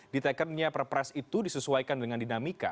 ditekennya perpres itu disesuaikan dengan dinamika